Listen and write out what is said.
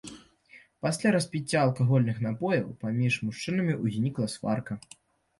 Пасля распіцця алкагольных напояў паміж мужчынамі ўзнікла сварка.